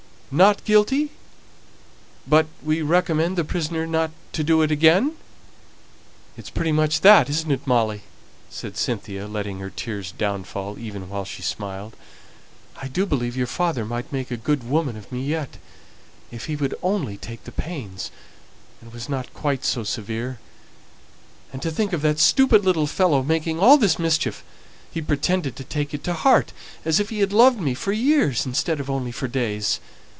"Not guilty, but we recommend the prisoner not to do it again. It's pretty much that, isn't it, Molly?" said Cynthia, letting her tears downfall, even while she smiled. "I do believe your father might make a good woman of me yet, if he would only take the pains, and wasn't quite so severe. And to think of that stupid little fellow making all this mischief! He pretended to take it to heart, as if he had loved me for years instead of only for days.